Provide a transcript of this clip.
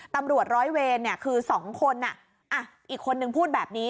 ตำรวจร้อยเวรเนี้ยคือสองคนน่ะอ่ะอีกคนนึงพูดแบบนี้